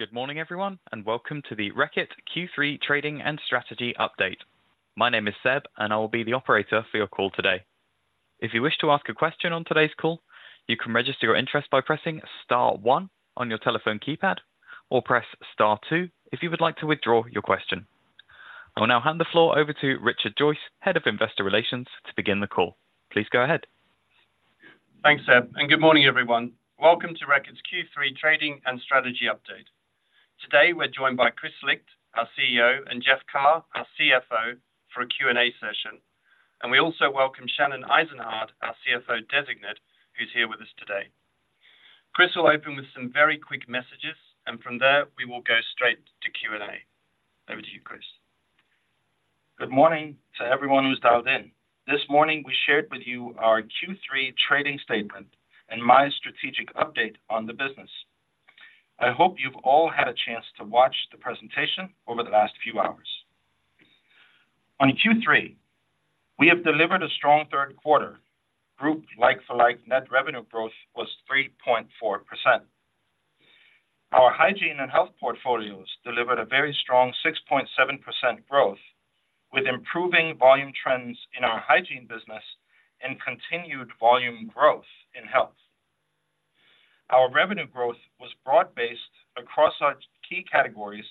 Good morning, everyone, and welcome to the Reckitt Q3 Trading and Strategy Update. My name is Seb, and I will be the operator for your call today. If you wish to ask a question on today's call, you can register your interest by pressing star one on your telephone keypad, or press star two if you would like to withdraw your question. I will now hand the floor over to Richard Joyce, Head of Investor Relations, to begin the call. Please go ahead. Thanks, Seb, and good morning, everyone. Welcome to Reckitt's Q3 Trading and Strategy Update. Today, we're joined by Kris Licht, our CEO, and Jeff Carr, our CFO, for a Q&A session. And we also welcome Shannon Eisenhardt, our CFO Designate, who's here with us today. Kris will open with some very quick messages, and from there, we will go straight to Q&A. Over to you, Kris. Good morning to everyone who's dialed in. This morning, we shared with you our Q3 trading statement and my strategic update on the business. I hope you've all had a chance to watch the presentation over the last few hours. On Q3, we have delivered a strong third quarter. Group like-for-like net revenue growth was 3.4%. Our hygiene and health portfolios delivered a very strong 6.7% growth, with improving volume trends in our hygiene business and continued volume growth in health. Our revenue growth was broad-based across our key categories,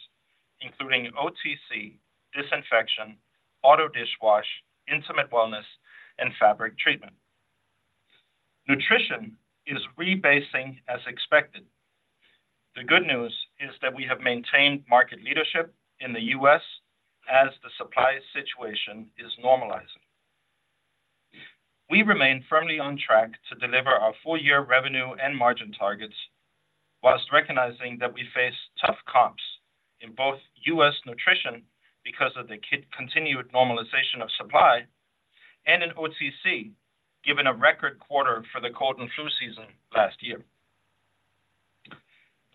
including OTC, disinfection, auto dishwasher, intimate wellness, and fabric treatment. Nutrition is rebasing as expected. The good news is that we have maintained market leadership in the U.S. as the supply situation is normalizing. We remain firmly on track to deliver our full year revenue and margin targets while recognizing that we face tough comps in both U.S. nutrition because of the continued normalization of supply and in OTC, given a record quarter for the cold and flu season last year.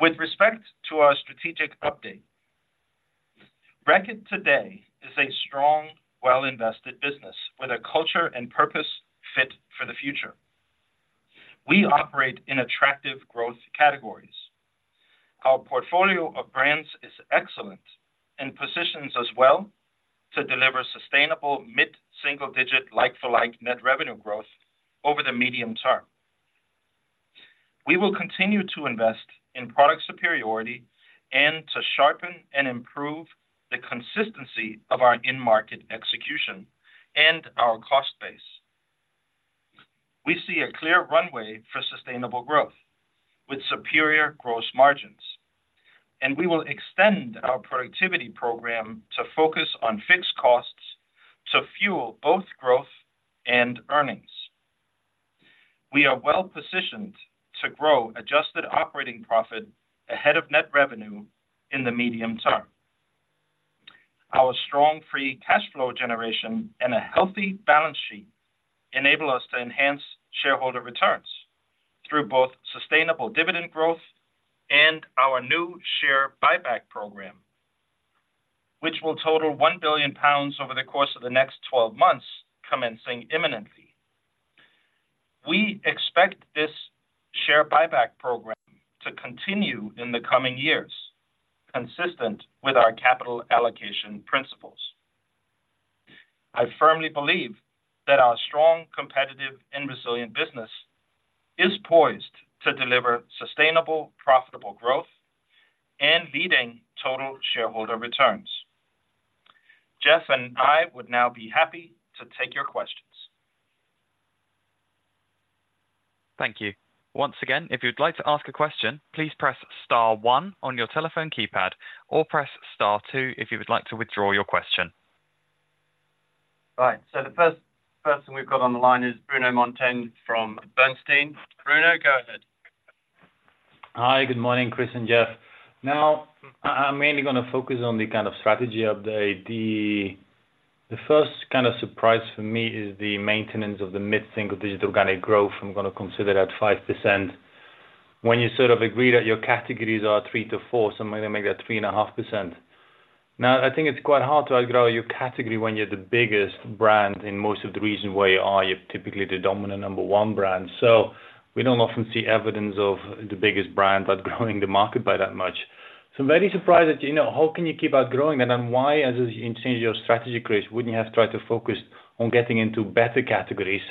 With respect to our strategic update, Reckitt today is a strong, well-invested business with a culture and purpose fit for the future. We operate in attractive growth categories. Our portfolio of brands is excellent and positions us well to deliver sustainable mid-single digit like-for-like net revenue growth over the medium term. We will continue to invest in product superiority and to sharpen and improve the consistency of our in-market execution and our cost base. We see a clear runway for sustainable growth with superior gross margins, and we will extend our productivity program to focus on fixed costs to fuel both growth and earnings. We are well-positioned to grow adjusted operating profit ahead of net revenue in the medium term. Our strong free cash flow generation and a healthy balance sheet enable us to enhance shareholder returns through both sustainable dividend growth and our new share buyback program, which will total 1 billion pounds over the course of the next 12 months, commencing imminently. We expect this share buyback program to continue in the coming years, consistent with our capital allocation principles. I firmly believe that our strong, competitive, and resilient business is poised to deliver sustainable, profitable growth and leading total shareholder returns. Jeff and I would now be happy to take your questions. Thank you. Once again, if you'd like to ask a question, please press star one on your telephone keypad, or press star two if you would like to withdraw your question. Right. So the first person we've got on the line is Bruno Monteyne from Bernstein. Bruno, go ahead. Hi, good morning, Kris and Jeff. Now, I'm mainly gonna focus on the kind of strategy update. The first kind of surprise for me is the maintenance of the mid-single digit organic growth. I'm gonna consider that 5%. When you sort of agree that your categories are 3-4, so I'm gonna make that 3.5%. Now, I think it's quite hard to outgrow your category when you're the biggest brand in most of the regions where you are, you're typically the dominant number one brand. So we don't often see evidence of the biggest brand outgrowing the market by that much. So I'm very surprised that, you know, how can you keep outgrowing it? Why, as you change your strategy, Kris, wouldn't you have tried to focus on getting into better categories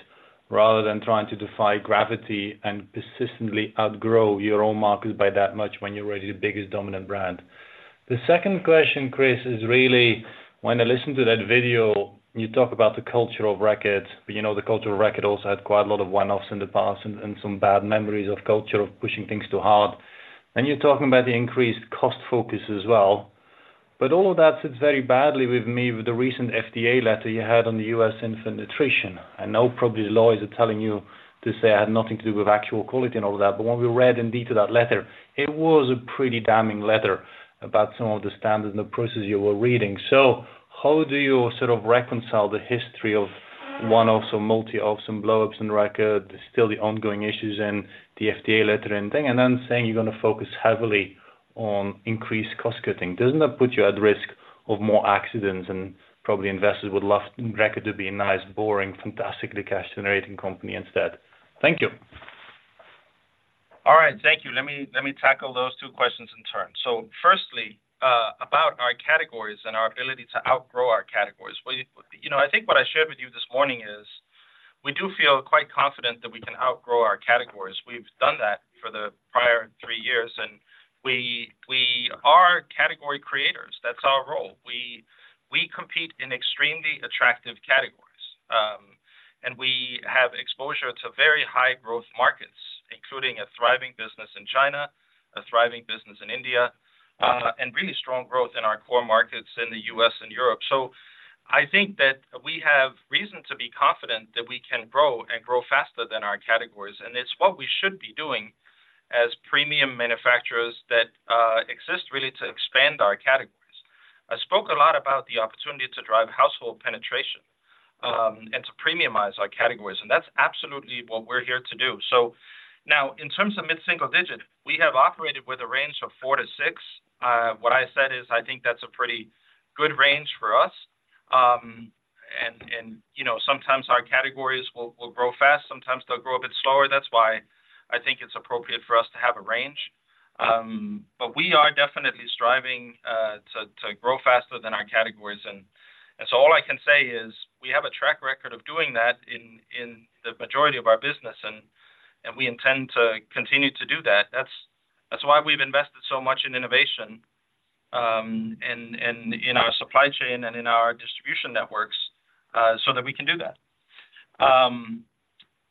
rather than trying to defy gravity and persistently outgrow your own markets by that much when you're already the biggest dominant brand? The second question, Kris, is really, when I listened to that video, you talk about the culture of Reckitt, but you know, the culture of Reckitt also had quite a lot of one-offs in the past and some bad memories of culture of pushing things too hard. You're talking about the increased cost focus as well. But all of that sits very badly with me with the recent FDA letter you had on the U.S. Infant Nutrition. I know probably the lawyers are telling you to say it had nothing to do with actual quality and all that, but when we read into that letter, it was a pretty damning letter about some of the standards and the processes you were reading. So how do you sort of reconcile the history of one-offs or multi off and blowups in Reckitt, still the ongoing issues and the FDA letter and thing, and then saying you're gonna focus heavily on increased cost cutting? Doesn't that put you at risk of more accidents, and probably investors would love Reckitt to be a nice, boring, fantastically cash-generating company instead. Thank you. ... All right, thank you. Let me, let me tackle those two questions in turn. So firstly, about our categories and our ability to outgrow our categories. Well, you know, I think what I shared with you this morning is we do feel quite confident that we can outgrow our categories. We've done that for the prior three years, and we, we are category creators. That's our role. We, we compete in extremely attractive categories, and we have exposure to very high growth markets, including a thriving business in China, a thriving business in India, and really strong growth in our core markets in the US and Europe. So I think that we have reason to be confident that we can grow and grow faster than our categories, and it's what we should be doing as premium manufacturers that exist really to expand our categories. I spoke a lot about the opportunity to drive household penetration, and to premiumize our categories, and that's absolutely what we're here to do. So now, in terms of mid-single-digit, we have operated with a range of 4-6. What I said is, I think that's a pretty good range for us. And, you know, sometimes our categories will grow fast, sometimes they'll grow a bit slower. That's why I think it's appropriate for us to have a range. But we are definitely striving to grow faster than our categories. And so all I can say is we have a track record of doing that in the majority of our business, and we intend to continue to do that. That's, that's why we've invested so much in innovation, in our supply chain and in our distribution networks, so that we can do that.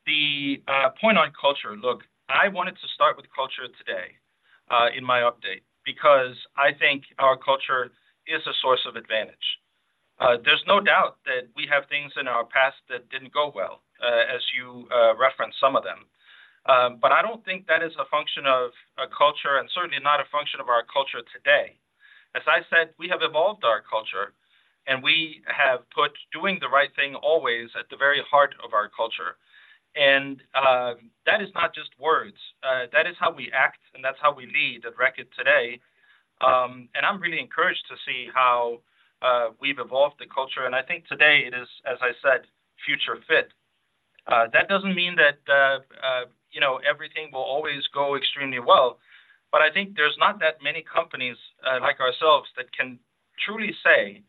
The point on culture, look, I wanted to start with culture today in my update because I think our culture is a source of advantage. There's no doubt that we have things in our past that didn't go well, as you referenced some of them. But I don't think that is a function of a culture and certainly not a function of our culture today. As I said, we have evolved our culture, and we have put doing the right thing always at the very heart of our culture. And that is not just words. That is how we act, and that's how we lead at Reckitt today. I'm really encouraged to see how we've evolved the culture, and I think today it is, as I said, future fit. That doesn't mean that, you know, everything will always go extremely well, but I think there's not that many companies like ourselves that can truly say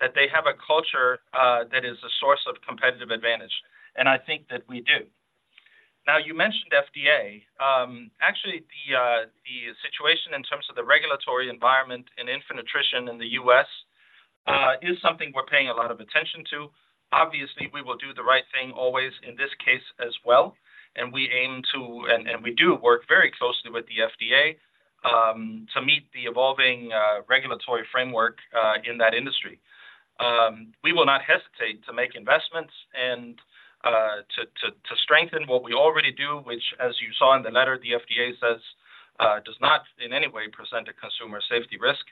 that they have a culture that is a source of competitive advantage, and I think that we do. Now, you mentioned FDA. Actually, the situation in terms of the regulatory environment and infant nutrition in the U.S. is something we're paying a lot of attention to. Obviously, we will do the right thing always in this case as well, and we aim to... and we do work very closely with the FDA to meet the evolving regulatory framework in that industry. We will not hesitate to make investments and to strengthen what we already do, which, as you saw in the letter, the FDA says does not in any way present a consumer safety risk.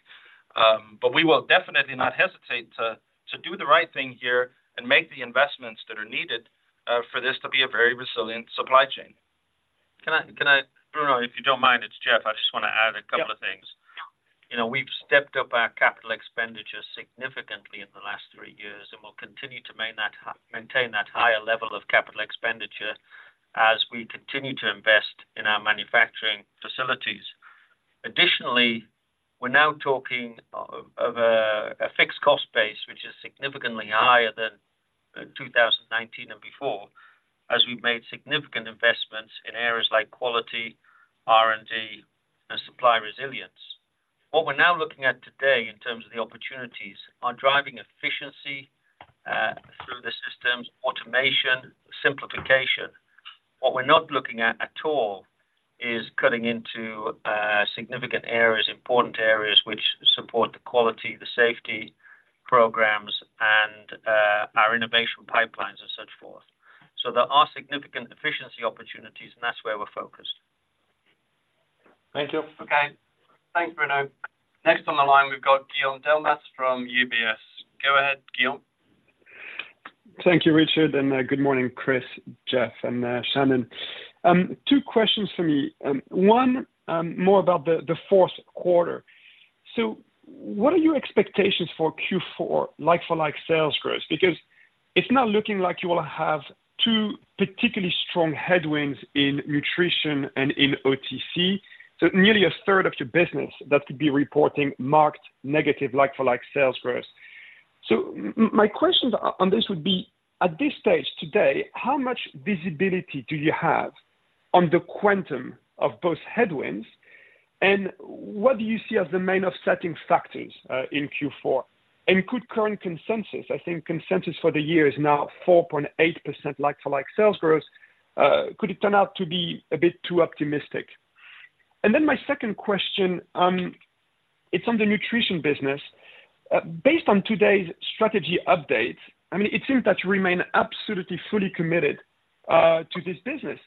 But we will definitely not hesitate to do the right thing here and make the investments that are needed for this to be a very resilient supply chain. Bruno, if you don't mind, it's Jeff. I just want to add a couple of things. Yeah. You know, we've stepped up our capital expenditures significantly in the last three years, and we'll continue to maintain that higher level of capital expenditure as we continue to invest in our manufacturing facilities. Additionally, we're now talking of a fixed cost base, which is significantly higher than 2019 and before, as we've made significant investments in areas like quality, R&D, and supply resilience. What we're now looking at today in terms of the opportunities are driving efficiency through the systems, automation, simplification. What we're not looking at at all is cutting into significant areas, important areas which support the quality, the safety programs, and our innovation pipelines and so forth. So there are significant efficiency opportunities, and that's where we're focused. Thank you. Okay. Thanks, Bruno. Next on the line, we've got Guillaume Delmas from UBS. Go ahead, Guillaume. Thank you, Richard, and good morning, Kris, Jeff, and Shannon. Two questions for me. One, more about the fourth quarter. So what are your expectations for Q4 like-for-like sales growth? Because it's not looking like you will have two particularly strong headwinds in nutrition and in OTC, so nearly a third of your business that could be reporting marked negative like-for-like sales growth. So my questions on this would be, at this stage today, how much visibility do you have on the quantum of both headwinds, and what do you see as the main offsetting factors in Q4? And could current consensus, I think consensus for the year is now 4.8% like-for-like sales growth, could it turn out to be a bit too optimistic? And then my second question, it's on the nutrition business. Based on today's strategy update, I mean, it seems that you remain absolutely fully committed to this business.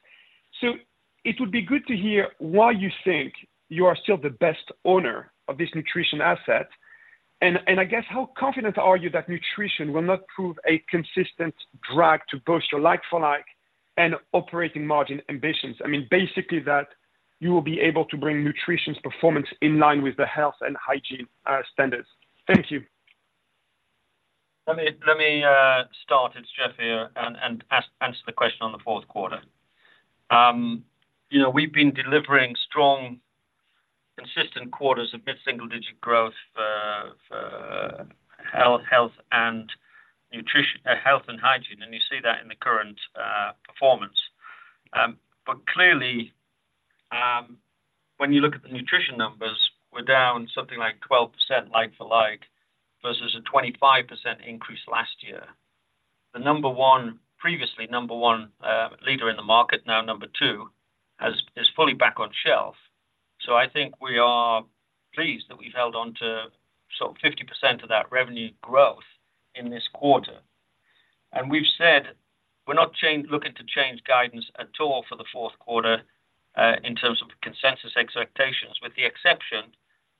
So it would be good to hear why you think you are still the best owner of this nutrition asset, and I guess, how confident are you that nutrition will not prove a consistent drag to boost your like-for-like and operating margin ambitions? I mean, basically that you will be able to bring nutrition's performance in line with the health and hygiene standards. Thank you.... Let me start. It's Jeff here, and answer the question on the fourth quarter. You know, we've been delivering strong, consistent quarters of mid-single-digit growth for health and hygiene, and you see that in the current performance. But clearly, when you look at the nutrition numbers, we're down something like 12% like-for-like versus a 25% increase last year. The number one—previously number one leader in the market, now number two, is fully back on shelf. So I think we are pleased that we've held on to sort of 50% of that revenue growth in this quarter. And we've said we're not looking to change guidance at all for the fourth quarter, in terms of consensus expectations, with the exception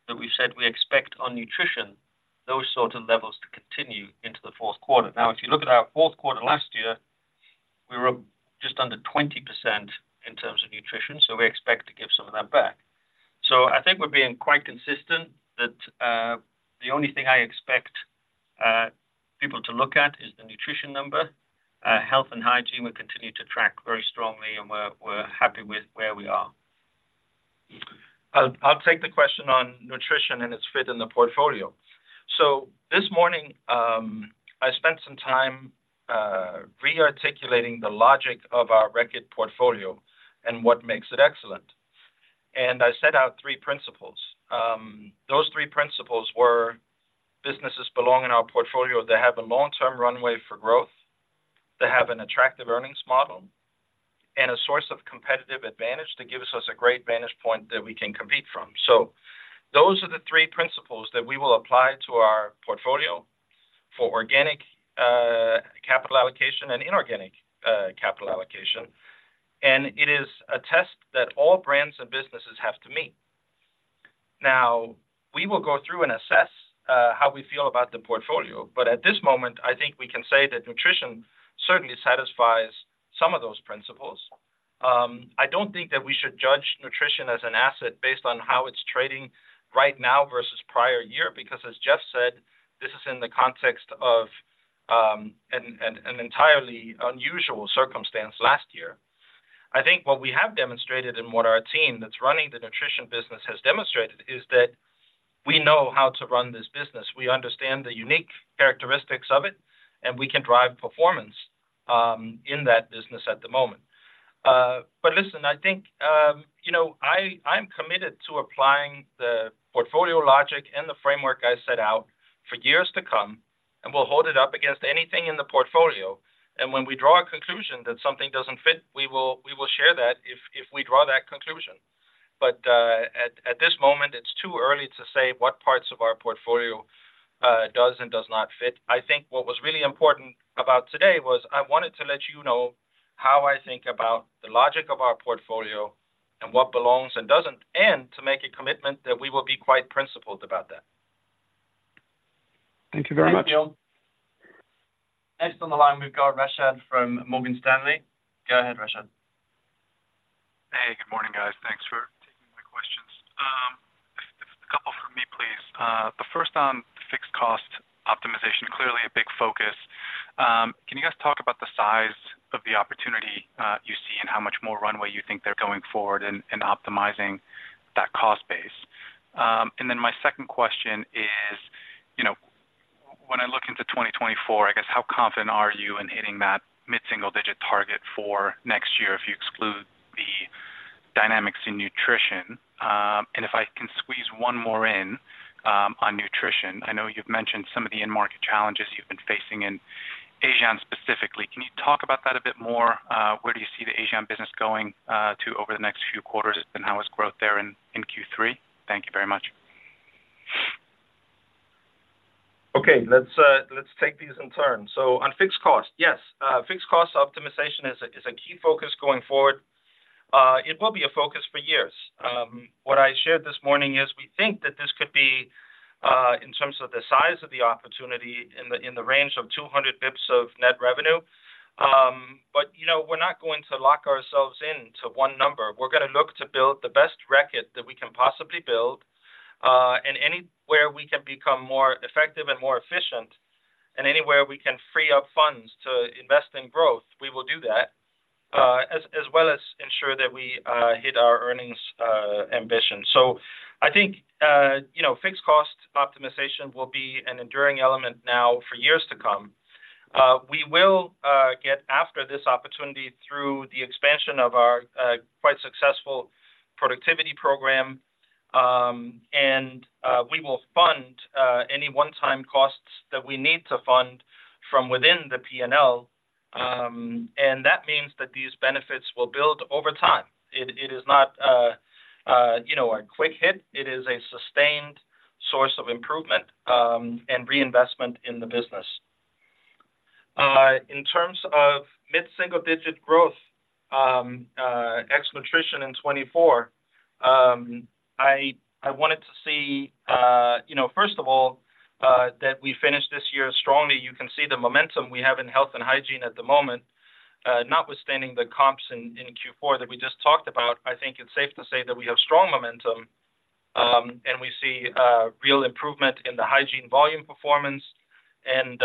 that we've said we expect on nutrition, those sort of levels to continue into the fourth quarter. Now, if you look at our fourth quarter last year, we were just under 20% in terms of nutrition, so we expect to give some of that back. So I think we're being quite consistent that, the only thing I expect people to look at is the nutrition number. Health and hygiene will continue to track very strongly, and we're happy with where we are. I'll, I'll take the question on nutrition and its fit in the portfolio. This morning, I spent some time, rearticulating the logic of our Reckitt portfolio and what makes it excellent. I set out three principles. Those three principles were: businesses belong in our portfolio, they have a long-term runway for growth. They have an attractive earnings model and a source of competitive advantage that gives us a great vantage point that we can compete from. Those are the three principles that we will apply to our portfolio for organic, capital allocation and inorganic, capital allocation, and it is a test that all brands and businesses have to meet. Now, we will go through and assess how we feel about the portfolio, but at this moment, I think we can say that nutrition certainly satisfies some of those principles. I don't think that we should judge nutrition as an asset based on how it's trading right now versus prior year, because, as Jeff said, this is in the context of an entirely unusual circumstance last year. I think what we have demonstrated and what our team that's running the nutrition business has demonstrated, is that we know how to run this business. We understand the unique characteristics of it, and we can drive performance in that business at the moment. But listen, I think, you know, I, I'm committed to applying the portfolio logic and the framework I set out for years to come, and we'll hold it up against anything in the portfolio, and when we draw a conclusion that something doesn't fit, we will, we will share that if, if we draw that conclusion. But at this moment, it's too early to say what parts of our portfolio does and does not fit. I think what was really important about today was I wanted to let you know how I think about the logic of our portfolio and what belongs and doesn't, and to make a commitment that we will be quite principled about that. Thank you very much. Thank you. Next on the line, we've got Rashad from Morgan Stanley. Go ahead, Rashad. Hey, good morning, guys. Thanks for taking my questions. A couple from me, please. The first on the fixed cost optimization, clearly a big focus. Can you guys talk about the size of the opportunity you see and how much more runway you think there's going forward in optimizing that cost base? And then my second question is, you know, when I look into 2024, I guess, how confident are you in hitting that mid-single-digit target for next year if you exclude the dynamics in nutrition? And if I can squeeze one more in, on nutrition, I know you've mentioned some of the end-market challenges you've been facing in Asia specifically. Can you talk about that a bit more? Where do you see the Asian business going to over the next few quarters and how is growth there in Q3? Thank you very much. Okay, let's take these in turn. So on fixed cost, yes, fixed cost optimization is a key focus going forward. It will be a focus for years. What I shared this morning is we think that this could be, in terms of the size of the opportunity, in the range of 200 BPS of net revenue. But, you know, we're not going to lock ourselves into one number. We're gonna look to build the best Reckitt that we can possibly build, and anywhere we can become more effective and more efficient, and anywhere we can free up funds to invest in growth, we will do that, as well as ensure that we hit our earnings ambition. So I think, you know, fixed cost optimization will be an enduring element now for years to come. We will get after this opportunity through the expansion of our quite successful productivity program. We will fund any one-time costs that we need to fund from within the P&L. That means that these benefits will build over time. It is not, you know, a quick hit. It is a sustained source of improvement and reinvestment in the business. In terms of mid-single-digit growth, ex nutrition in 2024, I wanted to see, you know, first of all, that we finished this year strongly. You can see the momentum we have in health and hygiene at the moment, notwithstanding the comps in Q4 that we just talked about. I think it's safe to say that we have strong momentum.... and we see a real improvement in the hygiene volume performance and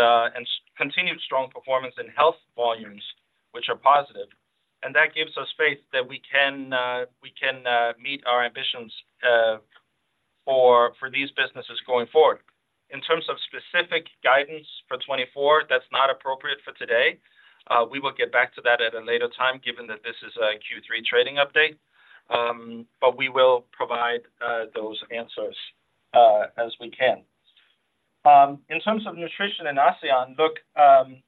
continued strong performance in health volumes, which are positive. And that gives us faith that we can meet our ambitions for these businesses going forward. In terms of specific guidance for 2024, that's not appropriate for today. We will get back to that at a later time, given that this is a Q3 trading update. But we will provide those answers as we can. In terms of nutrition in ASEAN, look,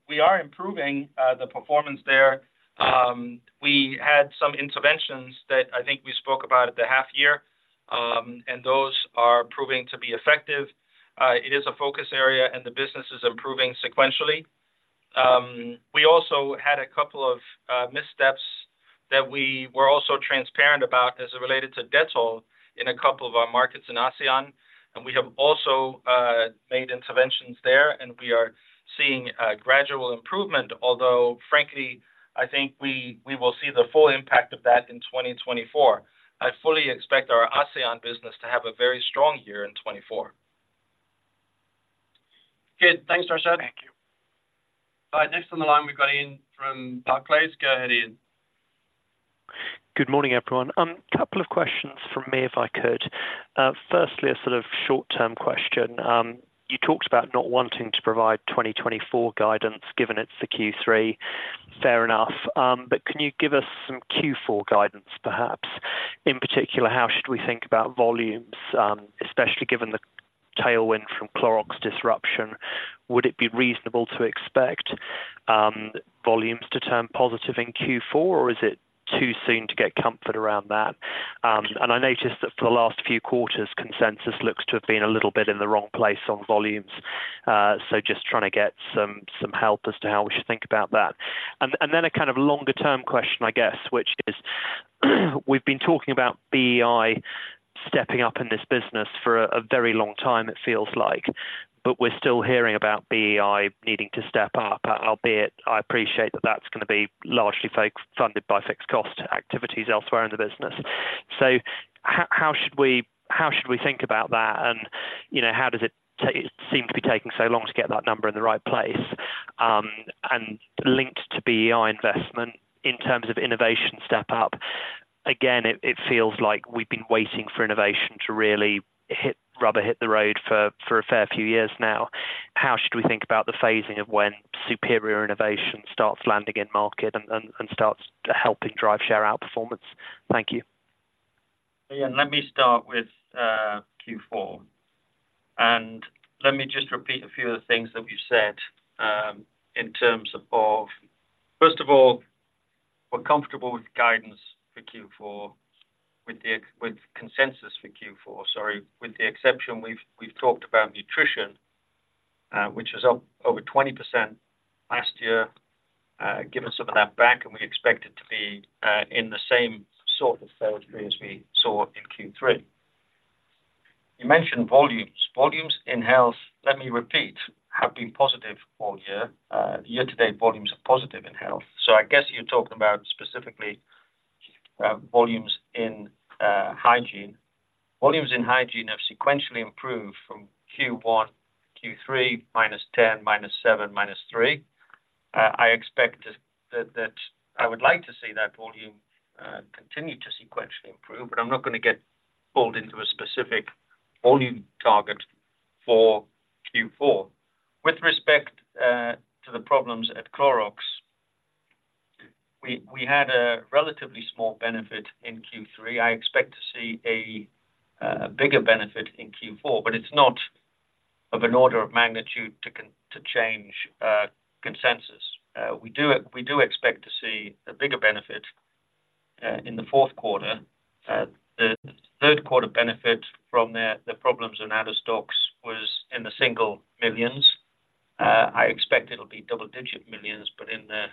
we are improving the performance there. We had some interventions that I think we spoke about at the half year, and those are proving to be effective. It is a focus area, and the business is improving sequentially. We also had a couple of missteps that we were also transparent about as it related to Dettol in a couple of our markets in ASEAN, and we have also made interventions there, and we are seeing a gradual improvement, although frankly, I think we will see the full impact of that in 2024. I fully expect our ASEAN business to have a very strong year in 2024. Good. Thanks, Rashad. Thank you. All right, next on the line, we've got Iain from Barclays. Go ahead, Iain. Good morning, everyone. A couple of questions from me, if I could. Firstly, a sort of short-term question. You talked about not wanting to provide 2024 guidance, given it's the Q3. Fair enough. But can you give us some Q4 guidance, perhaps? In particular, how should we think about volumes, especially given the tailwind from Clorox disruption, would it be reasonable to expect, volumes to turn positive in Q4, or is it too soon to get comfort around that? And I noticed that for the last few quarters, consensus looks to have been a little bit in the wrong place on volumes. So just trying to get some, some help as to how we should think about that. Then a kind of longer-term question, I guess, which is, we've been talking about BEI stepping up in this business for a very long time, it feels like. But we're still hearing about BEI needing to step up, albeit I appreciate that that's going to be largely funded by fixed cost activities elsewhere in the business. So how should we think about that? And, you know, how does it seem to be taking so long to get that number in the right place? And linked to BEI investment in terms of innovation step up. Again, it feels like we've been waiting for innovation to really rubber hits the road for a fair few years now. How should we think about the phasing of when superior innovation starts landing in market and starts helping drive share outperformance? Thank you. Yeah, let me start with Q4. Let me just repeat a few of the things that we've said in terms of... First of all, we're comfortable with guidance for Q4, with the consensus for Q4, sorry. With the exception, we've talked about nutrition, which was up over 20% last year. Give us some of that back, and we expect it to be in the same sort of territory as we saw in Q3. You mentioned volumes. Volumes in health, let me repeat, have been positive all year. Year-to-date, volumes are positive in health. So I guess you're talking about specifically volumes in hygiene. Volumes in hygiene have sequentially improved from Q1, Q3, -10, -7, -3. I expect that, that... I would like to see that volume continue to sequentially improve, but I'm not going to get pulled into a specific volume target for Q4. With respect to the problems at Clorox, we had a relatively small benefit in Q3. I expect to see a bigger benefit in Q4, but it's not of an order of magnitude to change consensus. We do expect to see a bigger benefit in the fourth quarter. The third quarter benefit from the problems in out-of-stocks was in the single millions. I expect it'll be double-digit millions, but in the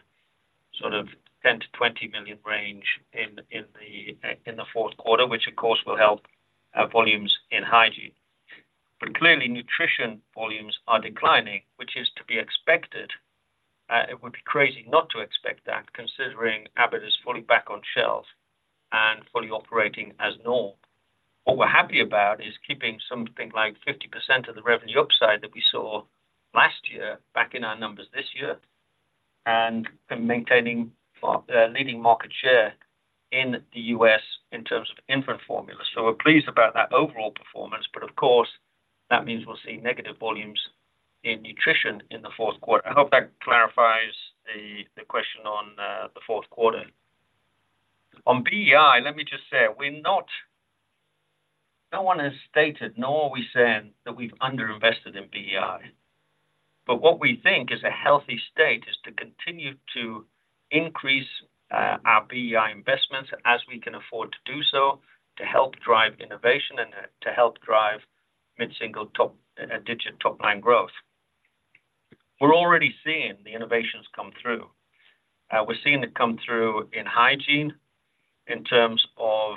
sort of 10 million-20 million range in the fourth quarter, which of course will help our volumes in hygiene. But clearly, nutrition volumes are declining, which is to be expected. It would be crazy not to expect that, considering Abbott is fully back on shelves and fully operating as normal. What we're happy about is keeping something like 50% of the revenue upside that we saw last year back in our numbers this year, and maintaining leading market share in the U.S. in terms of infant formula. So we're pleased about that overall performance, but of course, that means we'll see negative volumes in nutrition in the fourth quarter. I hope that clarifies the question on the fourth quarter. On BEI, let me just say, we're not—no one has stated, nor are we saying that we've underinvested in BEI, but what we think is a healthy state is to continue to increase our BEI investments as we can afford to do so, to help drive innovation and to help drive mid-single digit top-line growth. We're already seeing the innovations come through. We're seeing it come through in hygiene in terms of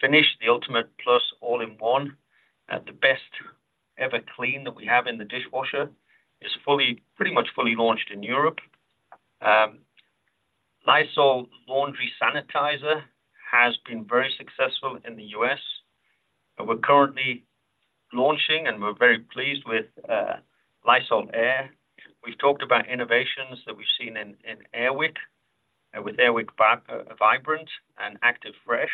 Finish, the Ultimate Plus all-in-one, the best ever clean that we have in the dishwasher is fully, pretty much fully launched in Europe. Lysol Laundry Sanitizer has been very successful in the U.S., and we're currently launching, and we're very pleased with Lysol Air. We've talked about innovations that we've seen in Air Wick with Air Wick Vibrant and Active Fresh,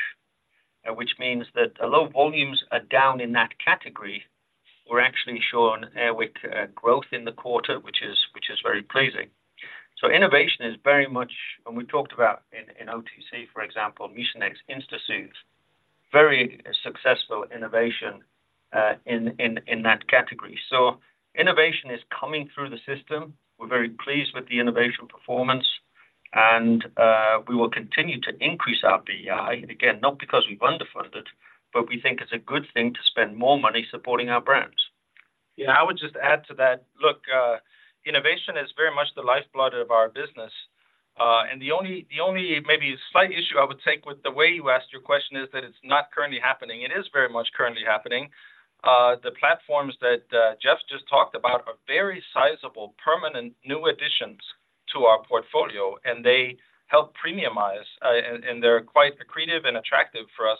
which means that although volumes are down in that category, we're actually showing Air Wick growth in the quarter, which is very pleasing. So innovation is very much, and we talked about in OTC, for example, Mucinex InstaSoothe, very successful innovation in that category. So innovation is coming through the system. We're very pleased with the innovation performance and we will continue to increase our BEI. Again, not because we've underfunded, but we think it's a good thing to spend more money supporting our brands. Yeah, I would just add to that. Look, innovation is very much the lifeblood of our business. The only, the only maybe slight issue I would take with the way you asked your question is that it's not currently happening. It is very much currently happening. The platforms that, Jeff just talked about are very sizable, permanent, new additions to our portfolio, and they help premiumize, and, and they're quite accretive and attractive for us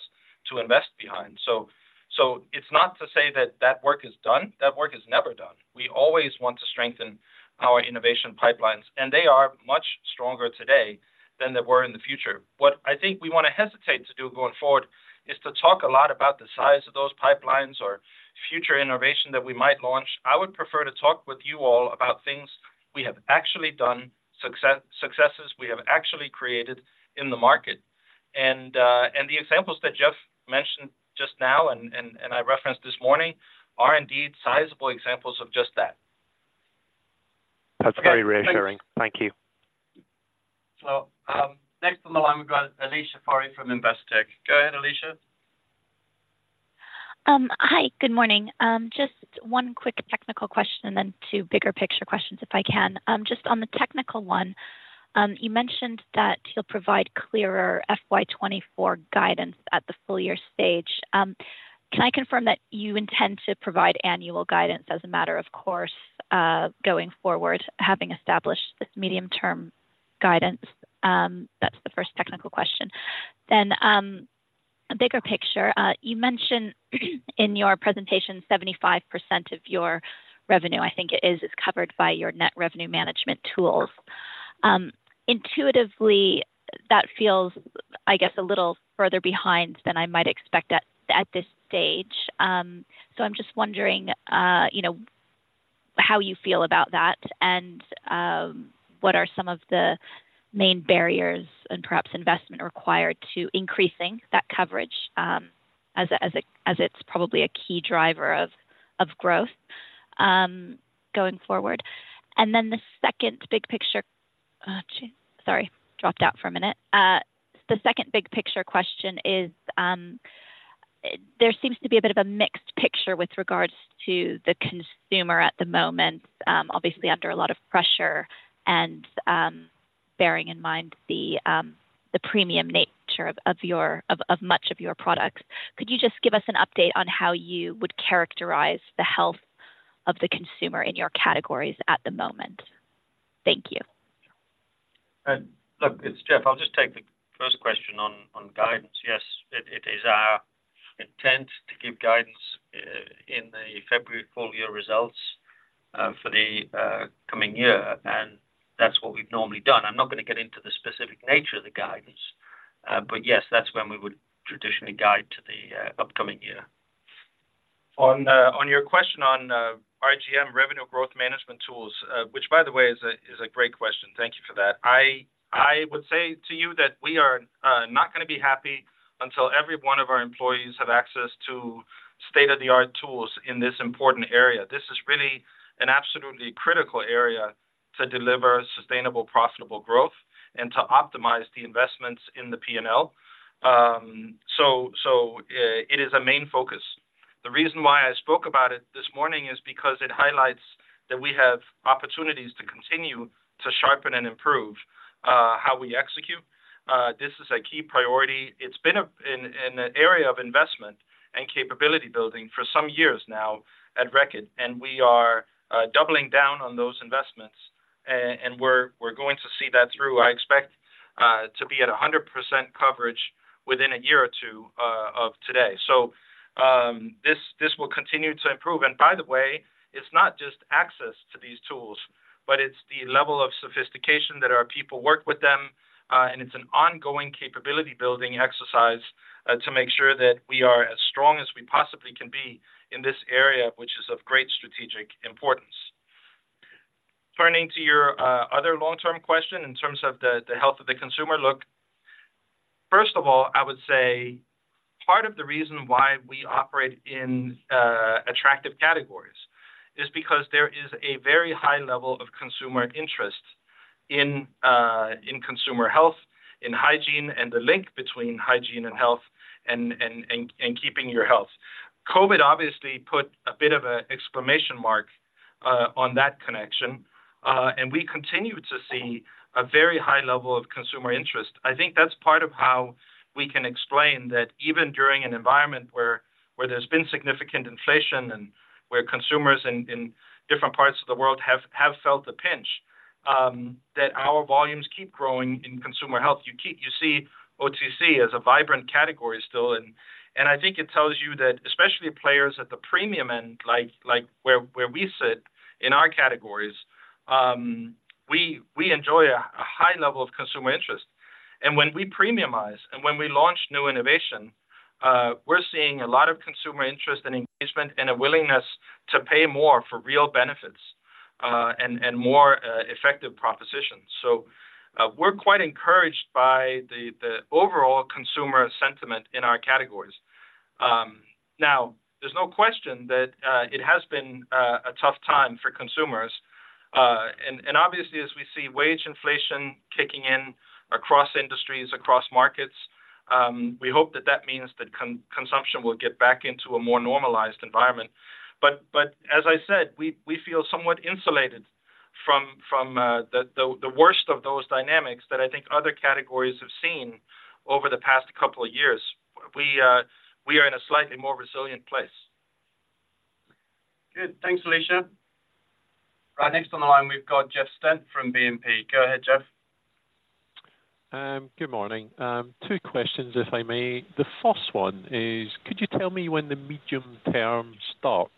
to invest behind. So, so it's not to say that that work is done. That work is never done. We always want to strengthen our innovation pipelines, and they are much stronger today than they were in the future. What I think we wanna hesitate to do going forward is to talk a lot about the size of those pipelines or future innovation that we might launch. I would prefer to talk with you all about things we have actually done, successes we have actually created in the market. And the examples that Jeff mentioned just now and I referenced this morning are indeed sizable examples of just that. That's very reassuring. Thank you. Next on the line, we've got Alicia Forry from Investec. Go ahead, Alicia. Hi, good morning. Just one quick technical question and then two bigger picture questions, if I can. Just on the technical one, you mentioned that you'll provide clearer FY 2024 guidance at the full year stage. Can I confirm that you intend to provide annual guidance as a matter of course, going forward, having established this medium-term guidance? That's the first technical question. Then, a bigger picture, you mentioned, in your presentation, 75% of your revenue, I think it is, is covered by your net revenue management tools. Intuitively, that feels, I guess, a little further behind than I might expect at this stage. So I'm just wondering, you know, how you feel about that, and what are some of the main barriers and perhaps investment required to increasing that coverage, as it's probably a key driver of growth, going forward? And then the second big picture... Gee, sorry, dropped out for a minute. The second big picture question is, there seems to be a bit of a mixed picture with regards to the consumer at the moment. Obviously, under a lot of pressure and, bearing in mind the, the premium nature of much of your products. Could you just give us an update on how you would characterize the health of the consumer in your categories at the moment? Thank you. Look, it's Jeff. I'll just take the first question on, on guidance. Yes, it, it is our intent to give guidance, in the February full year results, for the, coming year, and that's what we've normally done. I'm not gonna get into the specific nature of the guidance, but yes, that's when we would traditionally guide to the, upcoming year. On your question on RGM, Revenue Growth Management tools, which, by the way, is a great question. Thank you for that. I would say to you that we are not gonna be happy until every one of our employees have access to state-of-the-art tools in this important area. This is really an absolutely critical area to deliver sustainable, profitable growth and to optimize the investments in the P&L. So, it is a main focus. The reason why I spoke about it this morning is because it highlights that we have opportunities to continue to sharpen and improve how we execute. This is a key priority. It's been an area of investment and capability building for some years now at Reckitt, and we are doubling down on those investments, and we're going to see that through. I expect to be at 100% coverage within a year or two of today. So, this will continue to improve. And by the way, it's not just access to these tools, but it's the level of sophistication that our people work with them, and it's an ongoing capability-building exercise to make sure that we are as strong as we possibly can be in this area, which is of great strategic importance. Turning to your other long-term question in terms of the health of the consumer, look, first of all, I would say part of the reason why we operate in attractive categories is because there is a very high level of consumer interest in consumer health, in hygiene, and the link between hygiene and health, and keeping your health. COVID, obviously, put a bit of a exclamation mark on that connection, and we continue to see a very high level of consumer interest. I think that's part of how we can explain that even during an environment where there's been significant inflation and where consumers in different parts of the world have felt the pinch, that our volumes keep growing in consumer health. You see OTC as a vibrant category still, and I think it tells you that especially players at the premium end, like, like, where we sit in our categories, we enjoy a high level of consumer interest. And when we premiumize, and when we launch new innovation, we're seeing a lot of consumer interest and engagement, and a willingness to pay more for real benefits, and more effective propositions. So, we're quite encouraged by the overall consumer sentiment in our categories. Now, there's no question that it has been a tough time for consumers. And obviously, as we see wage inflation kicking in across industries, across markets, we hope that that means that consumption will get back into a more normalized environment. But as I said, we feel somewhat insulated from the worst of those dynamics that I think other categories have seen over the past couple of years. We are in a slightly more resilient place. Good. Thanks, Alicia. Right, next on the line, we've got Jeff Stent from BNP. Go ahead, Jeff. Good morning. Two questions, if I may. The first one is, could you tell me when the medium term starts?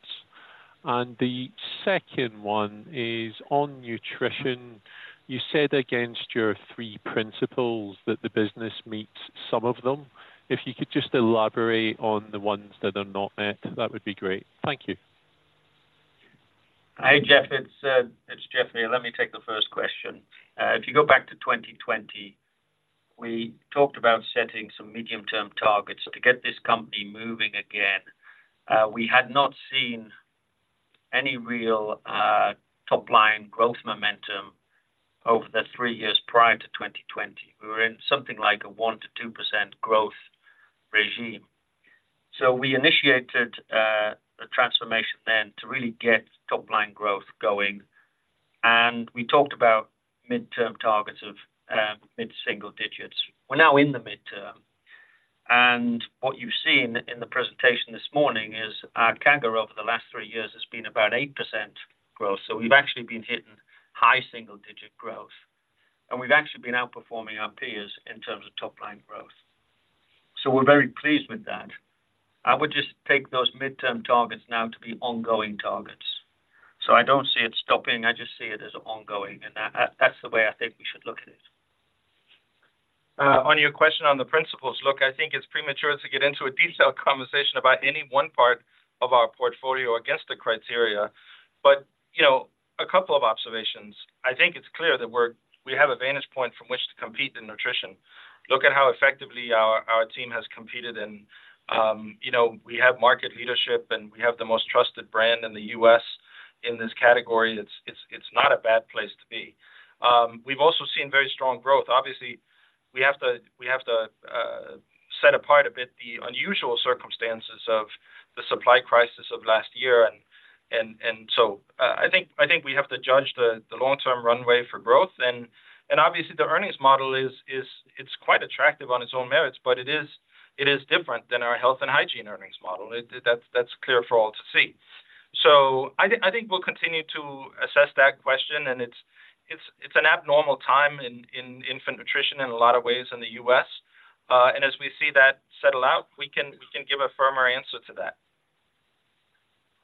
The second one is on nutrition. You said against your three principles that the business meets some of them. If you could just elaborate on the ones that are not met, that would be great. Thank you. Hi, Jeff. It's Jeff here. Let me take the first question. If you go back to 2020, we talked about setting some medium-term targets to get this company moving again. We had not seen any real top-line growth momentum over the three years prior to 2020. We were in something like a 1%-2% growth regime. So we initiated a transformation then to really get top-line growth going, and we talked about midterm targets of mid-single digits. We're now in the midterm, and what you've seen in the presentation this morning is our CAGR over the last three years has been about 8% growth. So we've actually been hitting high single digit growth, and we've actually been outperforming our peers in terms of top line growth. So we're very pleased with that. I would just take those midterm targets now to be ongoing targets. So I don't see it stopping, I just see it as ongoing, and that, that's the way I think we should look at it. On your question on the principles, look, I think it's premature to get into a detailed conversation about any one part of our portfolio against the criteria, but, you know, a couple of observations. I think it's clear that we have a vantage point from which to compete in nutrition. Look at how effectively our team has competed in, you know, we have market leadership, and we have the most trusted brand in the US in this category. It's not a bad place to be. We've also seen very strong growth. Obviously, we have to set apart a bit the unusual circumstances of the supply crisis of last year and so, I think we have to judge the long-term runway for growth. And obviously the earnings model is. It's quite attractive on its own merits, but it is different than our health and hygiene earnings model. That's clear for all to see. So I think we'll continue to assess that question, and it's an abnormal time in infant nutrition in a lot of ways in the U.S., and as we see that settle out, we can give a firmer answer to that.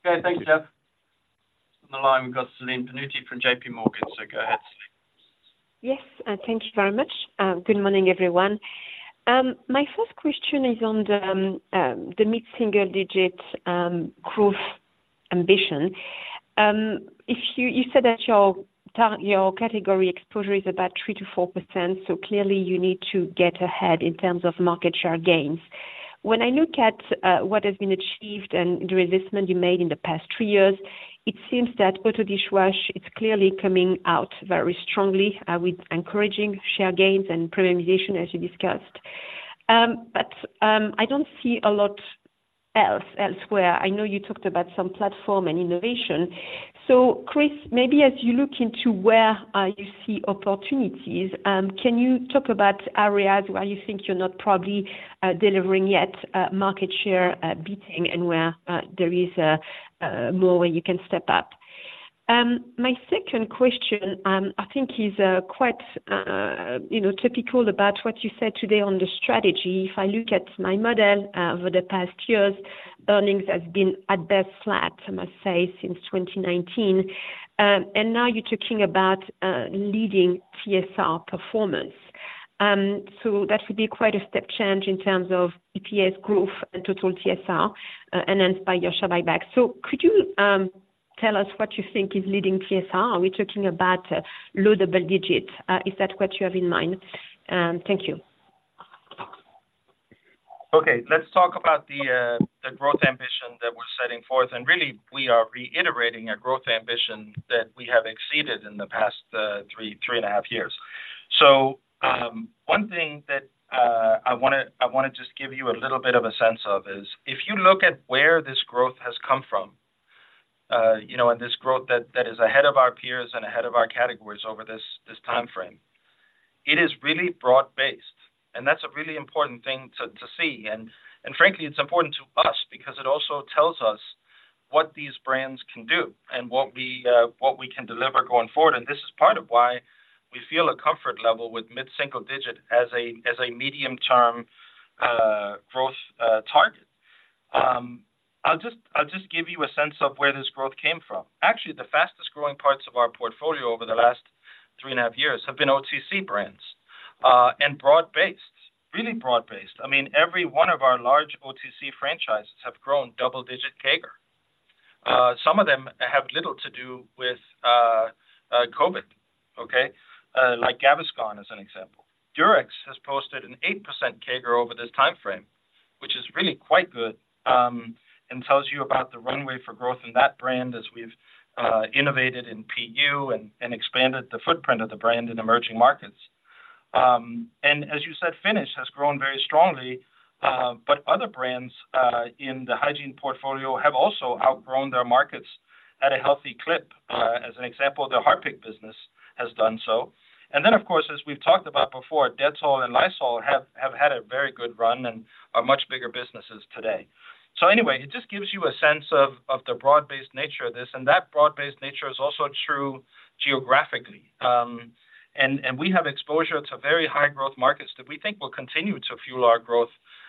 Okay. Thank you, Jeff. On the line, we've got Celine Pannuti from JP Morgan. So go ahead, Celine. Yes, and thank you very much. Good morning, everyone. My first question is on the mid-single-digit growth ambition. If you said that your category exposure is about 3%-4%, so clearly you need to get ahead in terms of market share gains. When I look at what has been achieved and the investment you made in the past 3 years, it seems that auto dishwash is clearly coming out very strongly with encouraging share gains and premiumization, as you discussed. But I don't see a lot else elsewhere. I know you talked about some platform and innovation. So, Kris, maybe as you look into where you see opportunities, can you talk about areas where you think you're not probably delivering yet market share beating and where there is more where you can step up? My second question, I think is quite, you know, typical about what you said today on the strategy. If I look at my model over the past years, earnings has been at best flat, I must say, since 2019. Now you're talking about leading TSR performance. So that would be quite a step change in terms of EPS growth and total TSR enhanced by your share buyback. So could you tell us what you think is leading TSR? Are we talking about low double digits? Is that what you have in mind? Thank you. Okay, let's talk about the growth ambition that we're setting forth. Really, we are reiterating a growth ambition that we have exceeded in the past 3.5 years. So, one thing that I wanna just give you a little bit of a sense of is, if you look at where this growth has come from, you know, and this growth that is ahead of our peers and ahead of our categories over this time frame, it is really broad-based, and that's a really important thing to see. Frankly, it's important to us because it also tells us what these brands can do and what we can deliver going forward. And this is part of why we feel a comfort level with mid-single digit as a medium-term growth target. I'll just give you a sense of where this growth came from. Actually, the fastest growing parts of our portfolio over the last three and a half years have been OTC brands and broad-based, really broad-based. I mean, every one of our large OTC franchises have grown double-digit CAGR. Some of them have little to do with COVID, okay? Like Gaviscon, as an example. Durex has posted an 8% CAGR over this time frame, which is really quite good, and tells you about the runway for growth in that brand as we've innovated in PU and expanded the footprint of the brand in emerging markets. And as you said, Finish has grown very strongly, but other brands in the hygiene portfolio have also outgrown their markets at a healthy clip. As an example, the Harpic business has done so. And then, of course, as we've talked about before, Dettol and Lysol have had a very good run and are much bigger businesses today. So anyway, it just gives you a sense of the broad-based nature of this, and that broad-based nature is also true geographically. And we have exposure to very high growth markets that we think will continue to fuel our growth.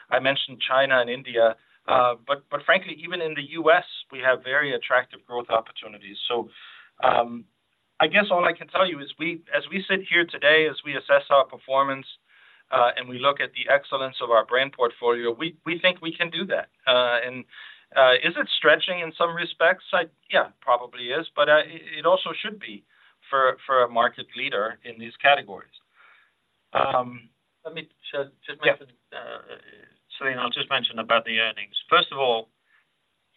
I mentioned China and India, but frankly, even in the US, we have very attractive growth opportunities. So, I guess all I can tell you is we, as we sit here today, as we assess our performance, and we look at the excellence of our brand portfolio, we, we think we can do that. And, is it stretching in some respects? Yeah, probably is, but, it, it also should be for, for a market leader in these categories. Let me just mention- Yeah. Celine, I'll just mention about the earnings. First of all,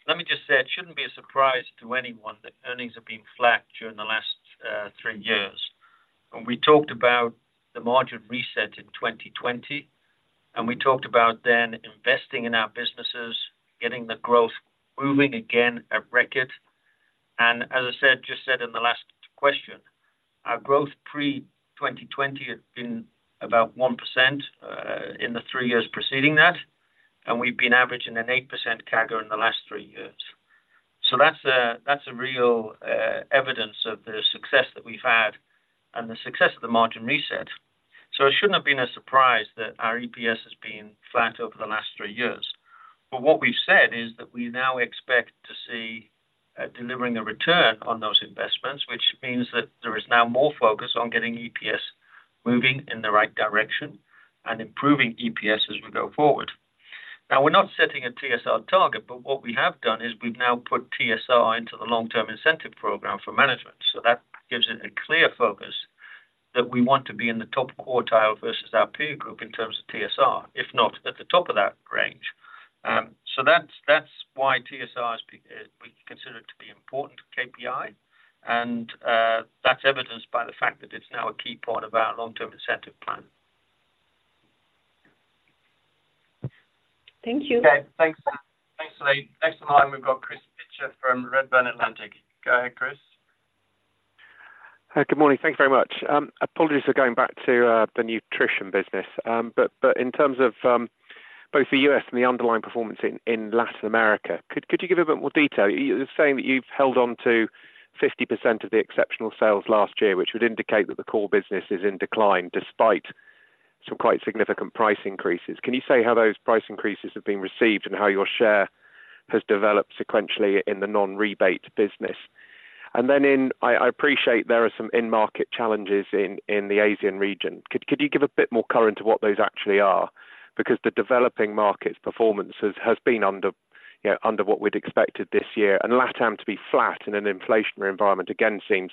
let me just say, it shouldn't be a surprise to anyone that earnings have been flat during the last three years. And we talked about the margin reset in 2020, and we talked about then investing in our businesses, getting the growth moving again at Reckitt. And as I said, just said in the last question, our growth pre-2020 had been about 1%, in the three years preceding that, and we've been averaging an 8% CAGR in the last three years. So that's a, that's a real evidence of the success that we've had and the success of the margin reset. So it shouldn't have been a surprise that our EPS has been flat over the last three years. But what we've said is that we now expect to see delivering a return on those investments, which means that there is now more focus on getting EPS moving in the right direction and improving EPS as we go forward. Now, we're not setting a TSR target, but what we have done is we've now put TSR into the long-term incentive program for management. So that gives it a clear focus that we want to be in the top quartile versus our peer group in terms of TSR, if not at the top of that range. So that's, that's why TSR is we consider it to be important to KPI, and that's evidenced by the fact that it's now a key part of our long-term incentive plan. Thank you. Okay, thanks. Thanks, Celine. Next in line, we've got Kris Pitcher from Redburn Atlantic. Go ahead, Kris. Hi, good morning. Thank you very much. Apologies for going back to the nutrition business, but in terms of both the U.S. and the underlying performance in Latin America, could you give a bit more detail? You're saying that you've held on to 50% of the exceptional sales last year, which would indicate that the core business is in decline, despite some quite significant price increases. Can you say how those price increases have been received and how your share has developed sequentially in the non-rebate business? And then I appreciate there are some in-market challenges in the Asian region. Could you give a bit more color into what those actually are? Because the developing markets performances has been under, you know, under what we'd expected this year, and LatAm to be flat in an inflationary environment, again, seems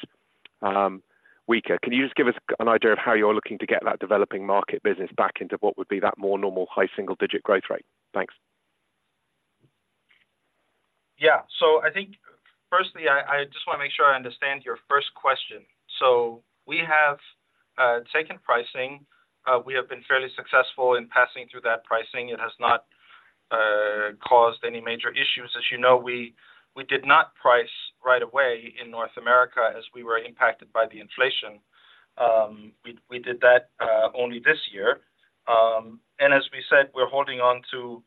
weaker. Can you just give us an idea of how you're looking to get that developing market business back into what would be that more normal, high single digit growth rate? Thanks. Yeah. So I think firstly, I just wanna make sure I understand your first question. So we have taken pricing. We have been fairly successful in passing through that pricing. It has not caused any major issues. As you know, we did not price right away in North America as we were impacted by the inflation. We did that only this year. And as we said, we're holding on to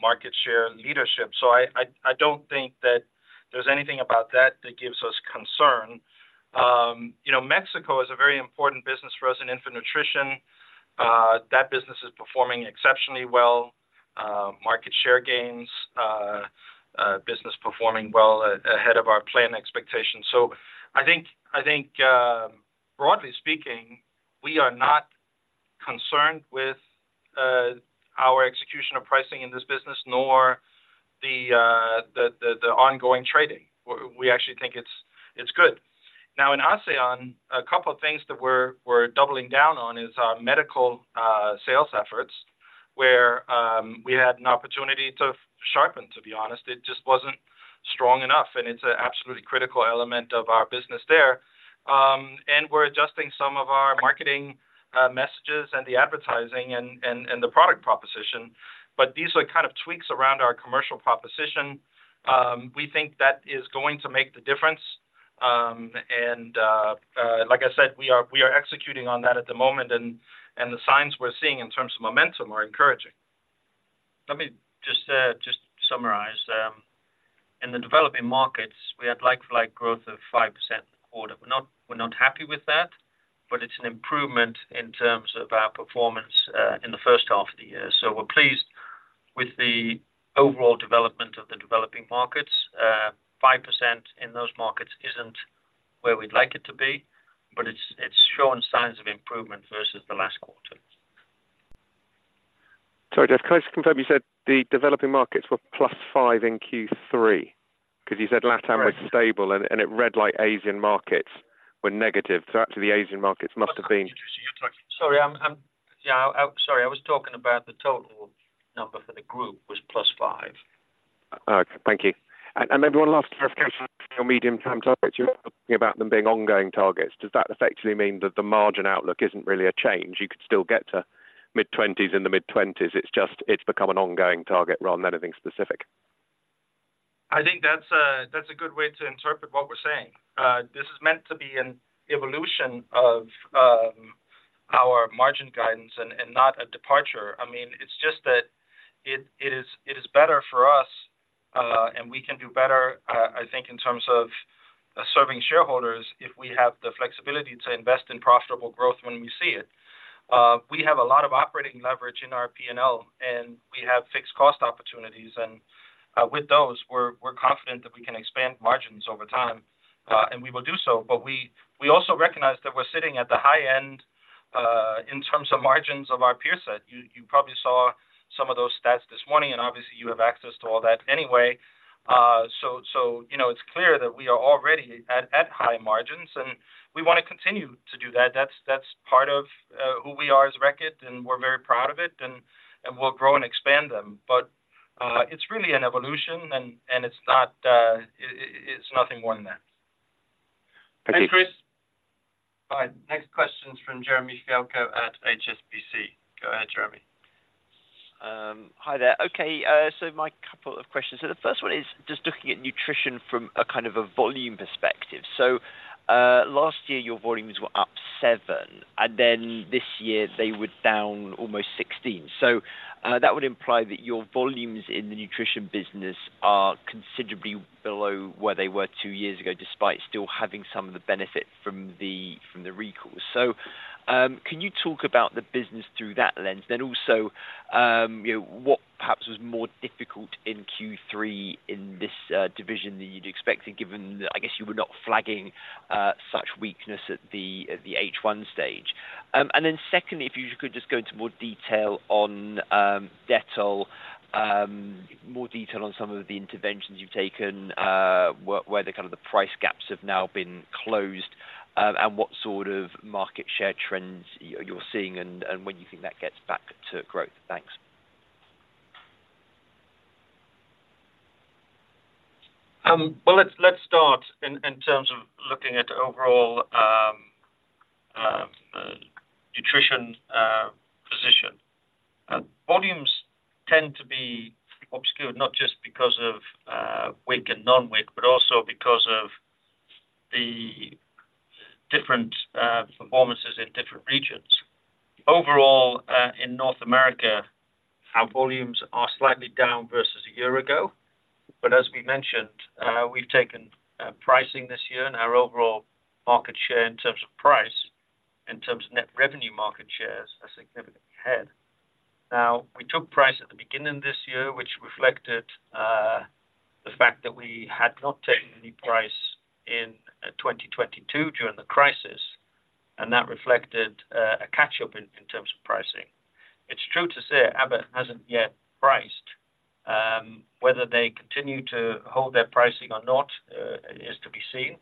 market share leadership. So I don't think that there's anything about that that gives us concern. You know, Mexico is a very important business for us in infant nutrition. That business is performing exceptionally well, market share gains, business performing well, ahead of our plan expectations. So I think, broadly speaking, we are not concerned with our execution of pricing in this business, nor the ongoing trading. We actually think it's good. Now, in ASEAN, a couple of things that we're doubling down on is our medical sales efforts, where we had an opportunity to sharpen, to be honest, it just wasn't strong enough, and it's an absolutely critical element of our business there. And we're adjusting some of our marketing messages and the advertising and the product proposition. But these are kind of tweaks around our commercial proposition. We think that is going to make the difference. And, like I said, we are executing on that at the moment, and the signs we're seeing in terms of momentum are encouraging. Let me just, just summarize. In the developing markets, we had like-for-like growth of 5% quarter. We're not, we're not happy with that, but it's an improvement in terms of our performance, in the first half of the year. So we're pleased with the overall development of the developing markets. Five percent in those markets isn't where we'd like it to be, but it's, it's showing signs of improvement versus the last quarter. Sorry, Jeff, can I just confirm, you said the developing markets were +5 in Q3? Because you said LatAm was stable, and it read like Asian markets were negative, so actually the Asian markets must have been- Sorry, yeah, sorry, I was talking about the total number for the group was +5. Thank you. And maybe one last clarification, your medium-term targets, you were talking about them being ongoing targets. Does that effectively mean that the margin outlook isn't really a change? You could still get to mid-twenties, in the mid-twenties, it's just, it's become an ongoing target rather than anything specific. I think that's a, that's a good way to interpret what we're saying. This is meant to be an evolution of, our margin guidance and, and not a departure. I mean, it's just that it, it is, it is better for us, and we can do better, I think, in terms of serving shareholders, if we have the flexibility to invest in profitable growth when we see it. We have a lot of operating leverage in our P&L, and we have fixed cost opportunities, and, with those, we're, we're confident that we can expand margins over time, and we will do so. But we, we also recognize that we're sitting at the high end, in terms of margins of our peer set. You, you probably saw some of those stats this morning, and obviously, you have access to all that anyway. So, you know, it's clear that we are already at high margins, and we want to continue to do that. That's part of who we are as Reckitt, and we're very proud of it, and we'll grow and expand them. But it's really an evolution, and it's not. It's nothing more than that. Thank you. Thanks, Kris. All right, next question is from Jeremy Fialko at HSBC. Go ahead, Jeremy. Hi there. Okay, so my couple of questions. So the first one is just looking at nutrition from a kind of a volume perspective. So, last year, your volumes were up 7, and then this year they were down almost 16. So, that would imply that your volumes in the nutrition business are considerably below where they were two years ago, despite still having some of the benefit from the recalls. So, can you talk about the business through that lens? Then also, you know, what perhaps was more difficult in Q3 in this division than you'd expected, given that, I guess you were not flagging such weakness at the H1 stage? And then secondly, if you could just go into more detail on Dettol, more detail on some of the interventions you've taken, where the kind of the price gaps have now been closed, and what sort of market share trends you're seeing, and when you think that gets back to growth? Thanks. Well, let's start in terms of looking at overall nutrition position. Volumes tend to be obscured, not just because of weak and non-weak, but also because of the different performances in different regions. Overall, in North America, our volumes are slightly down versus a year ago. But as we mentioned, we've taken pricing this year, and our overall market share in terms of price, in terms of net revenue market shares, are significantly ahead. Now, we took price at the beginning of this year, which reflected the fact that we had not taken any price in 2022 during the crisis, and that reflected a catch-up in terms of pricing. It's true to say Abbott hasn't yet priced. Whether they continue to hold their pricing or not is to be seen.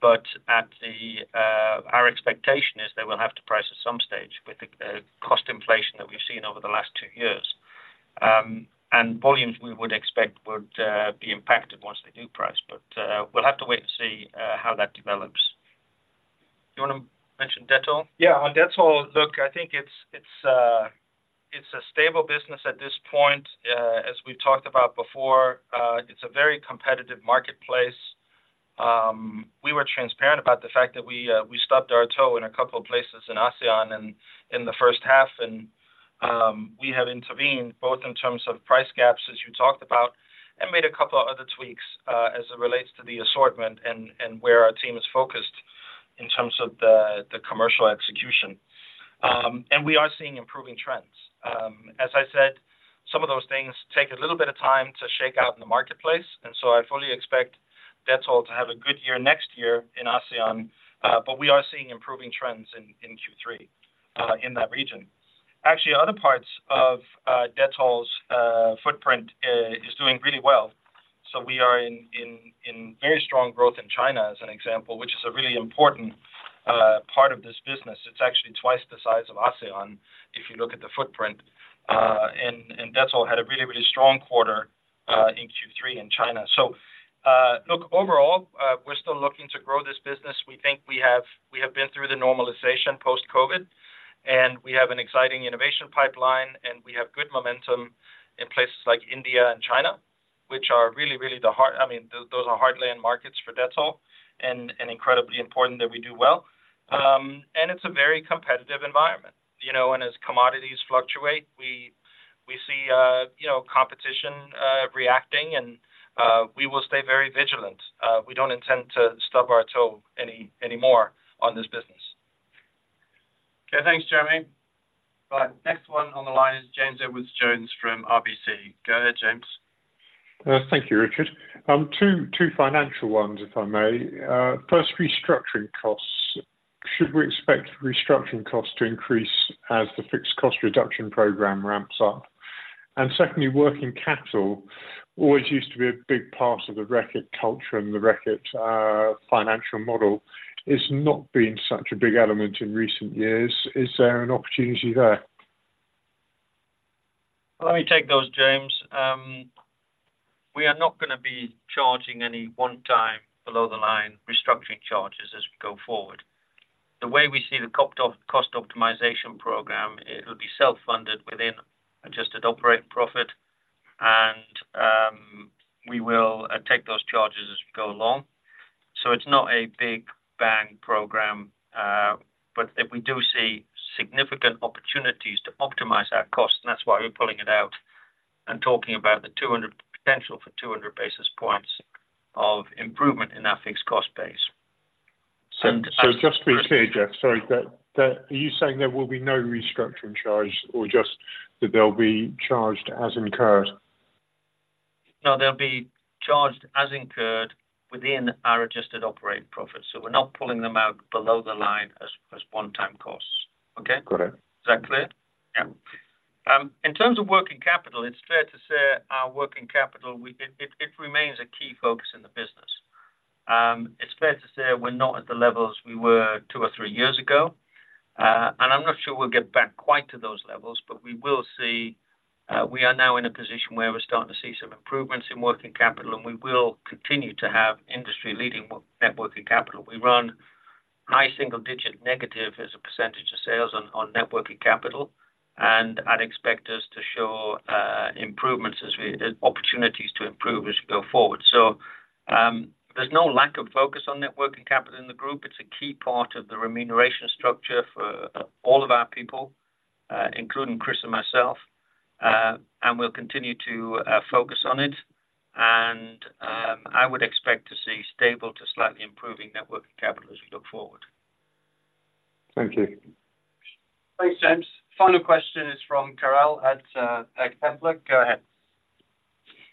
But at the our expectation is they will have to price at some stage with the cost inflation that we've seen over the last two years. And volumes we would expect would be impacted once they do price, but we'll have to wait to see how that develops. You want to mention Dettol? Yeah, on Dettol, look, I think it's a stable business at this point. As we've talked about before, it's a very competitive marketplace. We were transparent about the fact that we stubbed our toe in a couple of places in ASEAN and in the first half, and we have intervened, both in terms of price gaps, as you talked about, and made a couple of other tweaks, as it relates to the assortment and where our team is focused in terms of the commercial execution. And we are seeing improving trends. As I said, some of those things take a little bit of time to shake out in the marketplace, and so I fully expect Dettol to have a good year next year in ASEAN, but we are seeing improving trends in Q3 in that region. Actually, other parts of Dettol's footprint is doing really well. So we are in very strong growth in China, as an example, which is a really important part of this business. It's actually twice the size of ASEAN, if you look at the footprint. And Dettol had a really, really strong quarter in Q3 in China. So, look, overall, we're still looking to grow this business. We have been through the normalization post-COVID, and we have an exciting innovation pipeline, and we have good momentum in places like India and China, which are really, really. I mean, those are heartland markets for Dettol and incredibly important that we do well. And it's a very competitive environment, you know, and as commodities fluctuate, we see, you know, competition reacting and we will stay very vigilant. We don't intend to stub our toe anymore on this business. Okay, thanks, Jeremy. Next one on the line is James Edwardes Jones from RBC. Go ahead, James. Thank you, Richard. Two financial ones, if I may. First, restructuring costs. Should we expect restructuring costs to increase as the fixed cost reduction program ramps up? And secondly, working capital always used to be a big part of the Reckitt culture and the Reckitt financial model. It's not been such a big element in recent years. Is there an opportunity there? Let me take those, James. We are not gonna be charging any one-time below the line restructuring charges as we go forward. The way we see the cost optimization program, it'll be self-funded within adjusted operating profit, and we will take those charges as we go along. So it's not a big bang program, but if we do see significant opportunities to optimize our costs, and that's why we're pulling it out and talking about the 200... potential for 200 basis points of improvement in our fixed cost base. So just to be clear, Jeff, sorry. Are you saying there will be no restructuring charge or just that they'll be charged as incurred? No, they'll be charged as incurred within our adjusted operating profits. So we're not pulling them out below the line as one-time costs. Okay? Got it. Is that clear? Yeah. In terms of working capital, it's fair to say our working capital, it remains a key focus in the business. It's fair to say we're not at the levels we were two or three years ago, and I'm not sure we'll get back quite to those levels, but we will see. We are now in a position where we're starting to see some improvements in working capital, and we will continue to have industry-leading net working capital. We run high single-digit negative as a percentage of sales on net working capital, and I'd expect us to show improvements as opportunities to improve as we go forward. So, there's no lack of focus on net working capital in the group. It's a key part of the remuneration structure for all of our people, including Kris and myself. And we'll continue to focus on it, and I would expect to see stable to slightly improving net working capital as we look forward. Thank you. Thanks, James. Final question is from Karel at Tempus. Go ahead.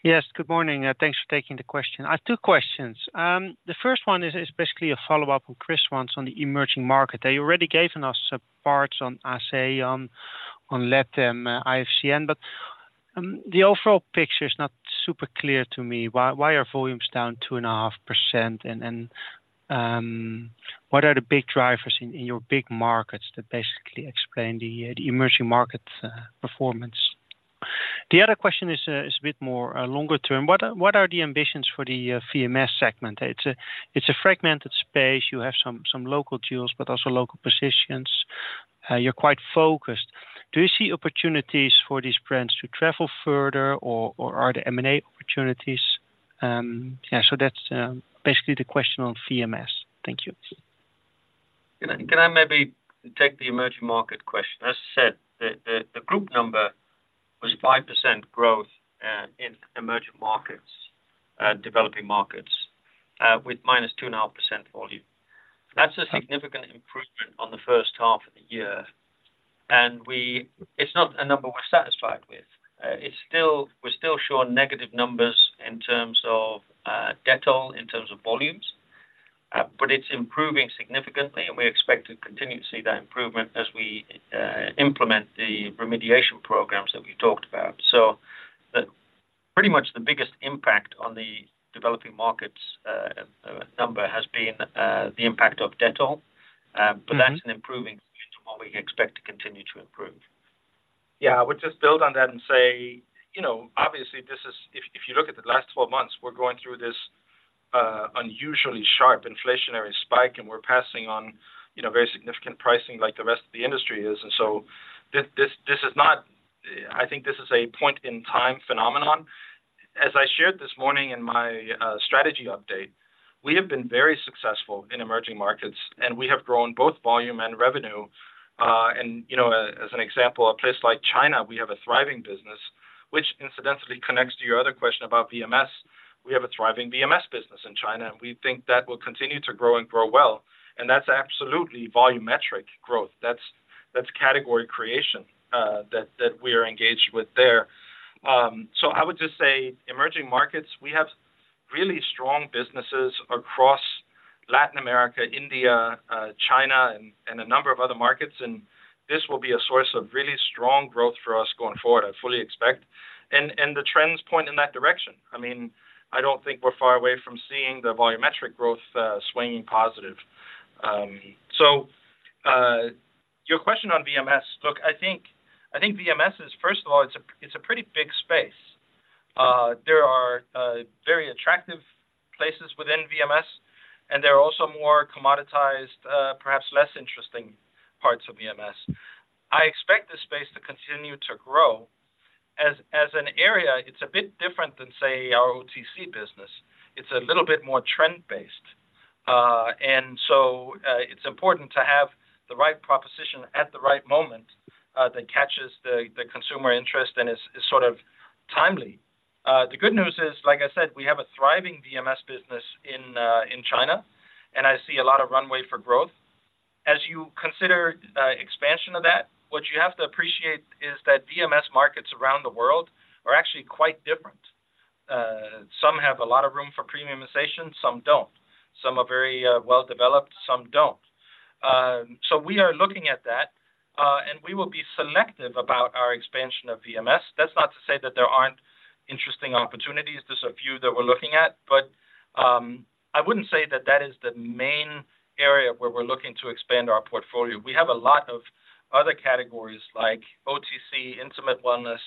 Yes, good morning. Thanks for taking the question. I have two questions. The first one is basically a follow-up on Kris, one on the emerging market. You already given us some parts on ASEAN, on LATAM, IFCN, but the overall picture is not super clear to me. Why are volumes down 2.5%? And what are the big drivers in your big markets that basically explain the emerging market performance? The other question is a bit more longer term. What are the ambitions for the VMS segment? It's a fragmented space. You have some local tools, but also local positions. You're quite focused. Do you see opportunities for these brands to travel further or are there M&A opportunities? Yeah, so that's basically the question on VMS. Thank you. Can I maybe take the emerging market question? As I said, the group number was 5% growth in emerging markets, developing markets, with -2.5% volume. That's a significant improvement on the first half of the year, and we. It's not a number we're satisfied with. It's still. We're still showing negative numbers in terms of Dettol, in terms of volumes, but it's improving significantly, and we expect to continue to see that improvement as we implement the remediation programs that we talked about. So the... Pretty much the biggest impact on the developing markets number has been the impact of Dettol, but that's an improving situation and what we expect to continue to improve. Yeah. I would just build on that and say, you know, obviously this is... If you look at the last 12 months, we're going through this unusually sharp inflationary spike, and we're passing on, you know, very significant pricing like the rest of the industry is. And so this is not, I think, a point-in-time phenomenon. As I shared this morning in my strategy update, we have been very successful in emerging markets, and we have grown both volume and revenue. And you know, as an example, a place like China, we have a thriving business, which incidentally connects to your other question about VMS. We have a thriving VMS business in China, and we think that will continue to grow and grow well, and that's absolutely volumetric growth. That's category creation that we are engaged with there. So, I would just say emerging markets, we have really strong businesses across Latin America, India, China, and a number of other markets, and this will be a source of really strong growth for us going forward, I fully expect. The trends point in that direction. I mean, I don't think we're far away from seeing the volumetric growth swinging positive. So, your question on VMS. Look, I think, I think VMS is, first of all, it's a, it's a pretty big space. There are very attractive places within VMS, and there are also more commoditized, perhaps less interesting parts of VMS. I expect this space to continue to grow. As an area, it's a bit different than, say, our OTC business. It's a little bit more trend-based. And so, it's important to have the right proposition at the right moment, that catches the consumer interest and is sort of timely. The good news is, like I said, we have a thriving VMS business in China, and I see a lot of runway for growth. As you consider expansion of that, what you have to appreciate is that VMS markets around the world are actually quite different. Some have a lot of room for premiumization, some don't. Some are very well developed, some don't. So we are looking at that, and we will be selective about our expansion of VMS. That's not to say that there aren't interesting opportunities. There's a few that we're looking at, but I wouldn't say that that is the main area where we're looking to expand our portfolio. We have a lot of other categories like OTC, Intimate Wellness,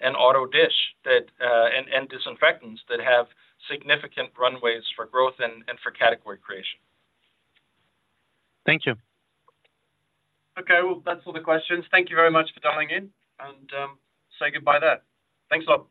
and auto dish that and disinfectants that have significant runways for growth and for category creation. Thank you. Okay, well, that's all the questions. Thank you very much for dialing in, and, so goodbye there. Thanks a lot.